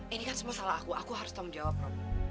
ini kan semua salah aku aku harus tanggung jawab rob